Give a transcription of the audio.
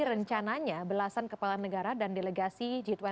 rencananya belasan kepala negara dan delegasi g dua puluh